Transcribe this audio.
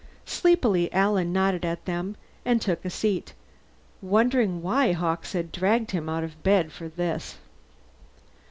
Sleepily Alan nodded at them and took a seat, wondering why Hawkes had dragged him out of bed for this.